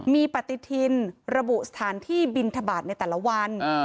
มีปฏิทินระบุสถานที่บินทบาทในแต่ละวัน